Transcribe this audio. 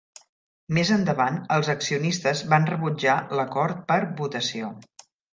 Més endavant, els accionistes van rebutjar l'acord per votació.